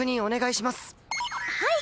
はい！